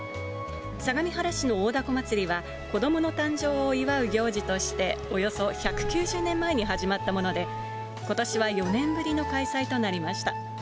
相模原市の大凧まつりは子どもの誕生を祝う行事として、およそ１９０年前に始まったもので、ことしは４年ぶりの開催となりました。